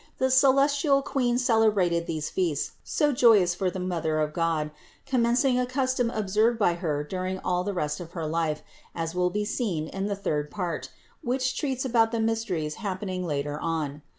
The celestial Queen celebrated these feasts, so joyous for the Mother of God, commencing a custom observed by Her during all the rest of her life, as will be seen in the third 588 CITY OF GOD part, which treats about the mysteries happening later on.